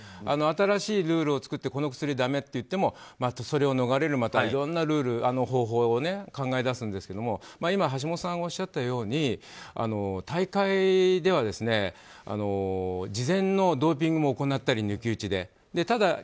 新しいルールを作ってこの薬だめって言ってもまたそれを逃れるいろんなルール、方法を考え出すんですけども今、橋下さんがおっしゃったように大会では事前のドーピングも抜き打ちで行ったり。